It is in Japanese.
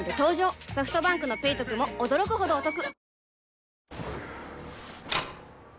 ソフトバンクの「ペイトク」も驚くほどおトク